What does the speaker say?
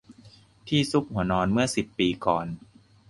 ที่ซุกหัวนอนเมื่อสิบปีก่อน